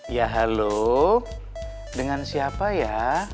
ya halo dengan siapa ya